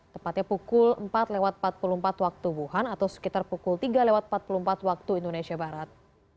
tepatnya pukul empat lewat empat puluh empat waktu wuhan atau sekitar pukul tiga empat puluh empat waktu indonesia barat